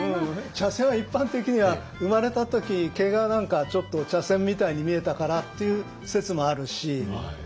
「茶筅」は一般的には生まれた時毛がちょっと茶筅みたいに見えたからっていう説もあるし。